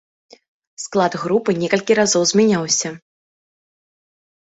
Склад групы некалькі разоў змяняўся.